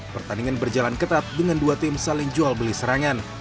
pertandingan berjalan ketat dengan dua tim saling jual beli serangan